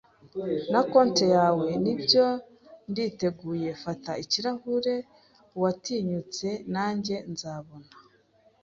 na konte yawe. Nibyo, nditeguye. Fata ikirahure, uwatinyutse, nanjye nzabona